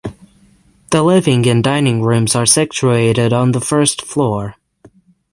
The living and dining rooms are situated on the first floor.